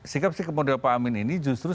sikap sikap model pak amin ini justru